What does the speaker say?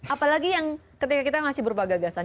apalagi yang ketika kita masih berupa gagasan